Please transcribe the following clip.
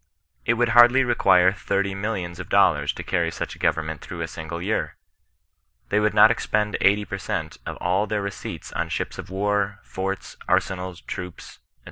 It would hardly require thirti/ millions of dollars to carry such a government through a single year. They would not expend eighty per cent, of all their receipts on ships of war, forts, arsenals, troops, &c.